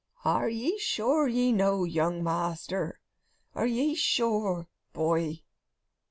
"Are ye sure ye know, young master? Are ye sure, boy?"